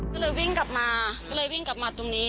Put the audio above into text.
ก็เลยวิ่งกลับมาก็เลยวิ่งกลับมาตรงนี้